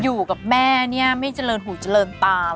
อยู่กับแม่เนี่ยไม่เจริญหูเจริญตา